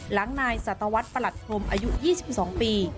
หลังนายสัตวรรษประหลัดพรมอายุ๒๒ปี